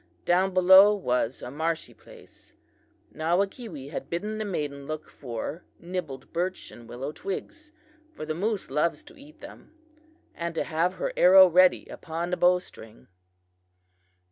Down below was a marshy place. Nawakewee had bidden the maiden look for nibbled birch and willow twigs, for the moose loves to eat them, and to have her arrow ready upon the bow string.